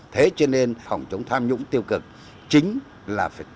thế cho nên phòng chống tham nhũng tiêu cực chính là phải tập trung